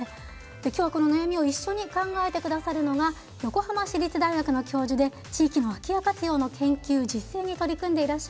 今日はこの悩みを一緒に考えてくださるのが横浜市立大学の教授で地域の空き家活用の研究実践に取り組んでいらっしゃいます